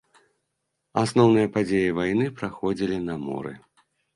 Асноўныя падзеі вайны праходзілі на моры.